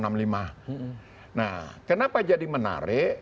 nah kenapa jadi menarik